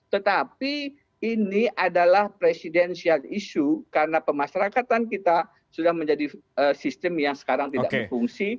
tetapi ini adalah presidensial issue karena pemasarakatan kita sudah menjadi sistem yang sekarang tidak berfungsi